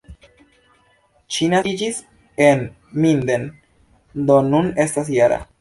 Ŝi naskiĝis en Minden, do nun estas -jara.